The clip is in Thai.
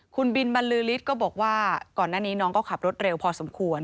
คุณบินบรรลือฤทธิ์ก็บอกว่าก่อนหน้านี้น้องก็ขับรถเร็วพอสมควร